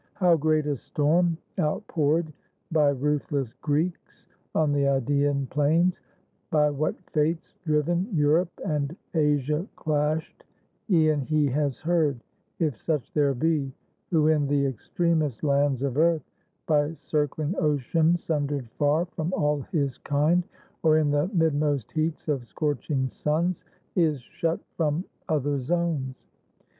How great a storm, outpoured by ruthless Greeks On the Idaean plains, — by what fates driven, Europe and Asia clashed, e'en he has heard (If such there be) who in the extremest lands Of earth, by circling ocean sundered far From all his kind, or in the midmost heats Of scorching suns, is shut from other zones.